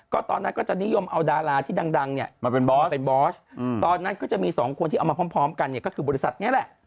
ก็ตอนนั้นก็จะนิยมเอาดาราที่ดังเนี่ยมาเป็นบอสเป็นบอสตอนนั้นก็จะมีสองคนที่เอามาพร้อมกันเนี่ยก็คือบริษัทนี้แหละ